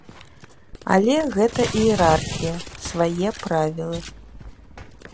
Але гэта іерархія, свае правілы.